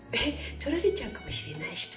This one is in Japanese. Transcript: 「取られちゃうかもしれないし」って？